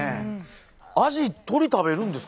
アジ鳥食べるんですか？